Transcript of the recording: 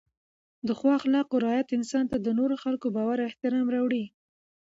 د ښو اخلاقو رعایت انسان ته د نورو خلکو باور او احترام راوړي.